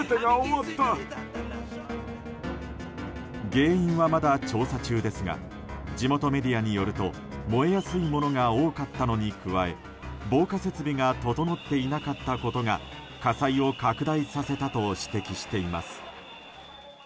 原因はまだ調査中ですが地元メディアによると燃えやすいものが多かったのに加え防火設備が整っていなかったことが火災を拡大させたと指摘しています。